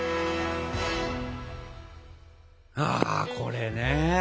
あこれね。